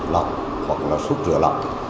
lọc hoặc là xúc rửa lọc